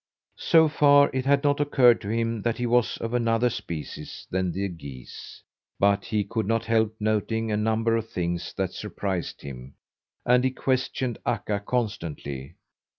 So far it had not occurred to him that he was of another species than the geese, but he could not help noting a number of things that surprised him, and he questioned Akka constantly.